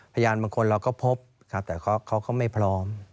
พยานบางคนเราก็พบครับแต่เขาก็ไม่พร้อม